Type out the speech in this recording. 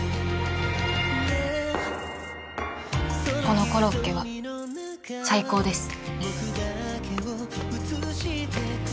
このコロッケは最高です。